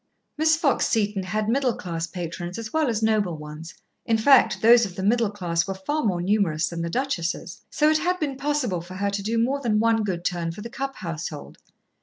Miss Fox Seton had middle class patrons as well as noble ones, in fact, those of the middle class were far more numerous than the duchesses, so it had been possible for her to do more than one good turn for the Cupp household.